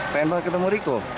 pengen banget ketemu riko